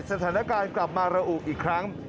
สถานการณ์กลับมาระอุอีกครั้ง